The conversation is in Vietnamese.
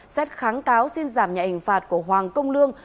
xét kháng cáo xin giảm nhà hình phạt của hoàng công lương